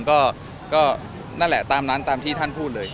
ก็นั่นแหละตามนั้นตามที่ท่านพูดเลย